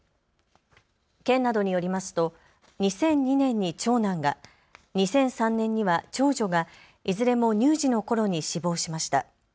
県などによりますと２００２年に長男が、２００３年には長女が、いずれも乳児のころに死亡しました。